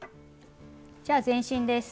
じゃあ前進です。